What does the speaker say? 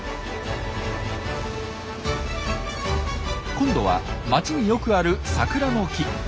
今度は街によくあるサクラの木。